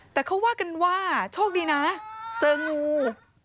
แต่เขาว่ากันว่าโชคดีนะเจองู